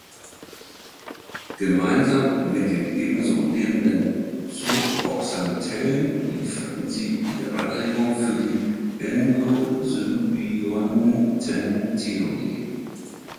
Gemeinsam mit den ebenso lebenden Zooxanthellen lieferten sie die Anregung für die Endosymbiontentheorie.